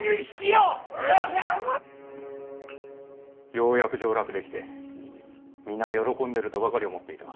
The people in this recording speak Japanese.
ようやく上洛できて皆喜んでるとばかり思っていた。